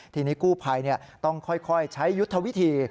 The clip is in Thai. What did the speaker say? ทีนี้กู้ภัยต้องค่อยใช้ยุทธวิธี